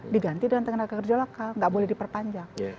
diganti dengan tenaga kerja lokal nggak boleh diperpanjang